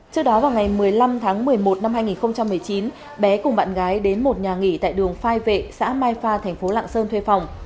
trước đó vào ngày một mươi năm tháng một mươi một năm hai nghìn một mươi chín bé cùng bạn gái đến một nhà nghỉ tại đường phai vệ xã mai pha thành phố lạng sơn thuê phòng